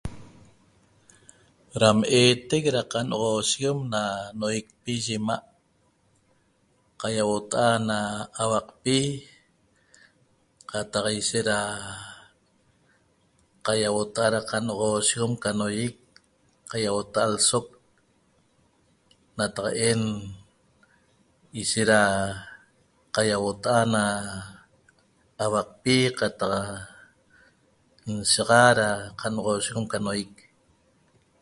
Nam eteq da Qanoxoseguem na noieq eye ima a' qaiabota a' na auappi qataq ishet da qaiabota a' da canoxosheguem qa nohieq da otaha ena lsoq nataq en ishet da qaiabota a' na auappi qataq nsaxa da qanoxoseguem qa noieq